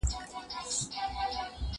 سینه سپينه کړه